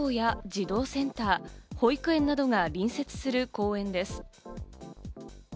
小学校や児童センター、保育園などが隣接する公園です。